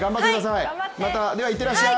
では行ってらっしゃい！